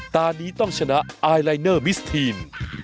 ตอนนี้ต้องชนะไอลายเนอร์มิสทีน